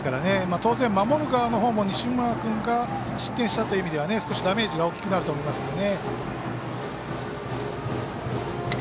当然、守る側からしても西村君が失点したという意味では少しダメージが大きくなると思いますのでね。